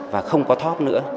và không có thóp nữa